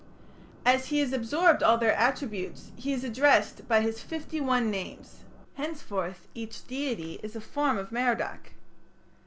As he has absorbed all their attributes, he is addressed by his fifty one names; henceforth each deity is a form of Merodach.